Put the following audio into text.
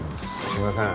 すいません。